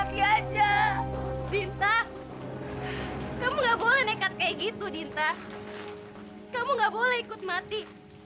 dinta ikut mati